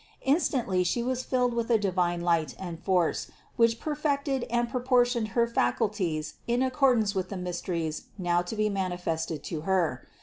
Instantly She was filled with a divine light and force, which perfected and propor tioned her faculties in accordance with the mysteries now to be manifested to Her.